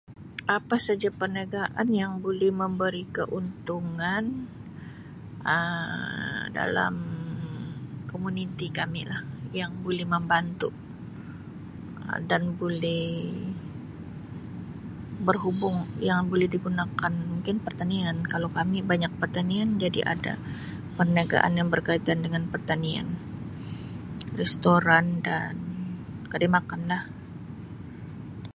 Apa saja perniagaan yang buli memberi keuntungan Um dalam komuniti kami lah yang buli membantu dan buli berhubung yang boleh digunakan mungkin pertanian kalau kami banyak pertanian jadi ada perniagaan yang berkaitan dengan pertanian restoran dan kedai makan lah.